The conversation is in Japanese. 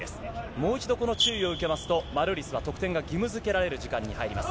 もう一度この注意を受けますと、マルーリスは得点が義務づけられる時間に入ります。